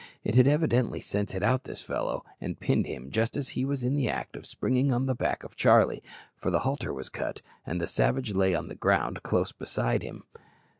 It had evidently scented out this fellow, and pinned him just as he was in the act of springing on the back of Charlie, for the halter was cut, and the savage lay on the ground close beside him.